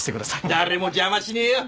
誰も邪魔しねえよ。